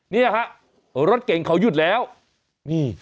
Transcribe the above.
เนี่ยฮะรถเก่งเขาหยุดแล้วนี่